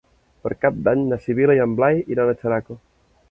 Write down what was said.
Per Cap d'Any na Sibil·la i en Blai iran a Xeraco.